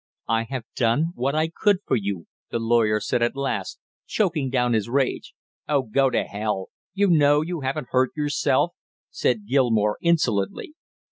"I have done what I could for you," the lawyer said at last, choking down his rage. "Oh, go to hell! You know you haven't hurt yourself," said Gilmore insolently.